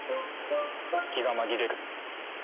気が紛れる。